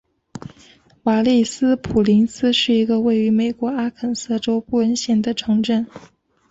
瓦利斯普林斯是一个位于美国阿肯色州布恩县的城镇。